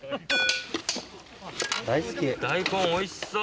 大根おいしそう。